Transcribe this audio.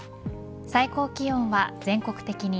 最高気温は全国的に